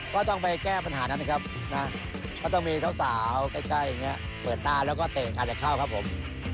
ก็ต้องไปแก้ปัญหานั้นนะครับ